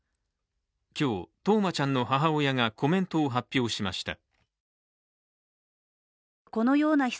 今日、冬生ちゃんの母親がコメントを発表しました。